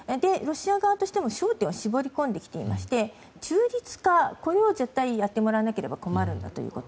ロシア側としても焦点は絞り込んできていまして中立化、これを絶対やってもらわなければ困ると。